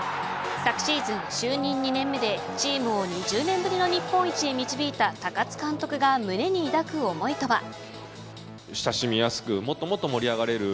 昨シーズン就任２年目でチームを２０年ぶりの日本一へ導いた高津監督が胸に抱く思いとは。